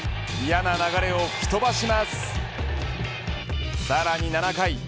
嫌な流れを吹き飛ばします。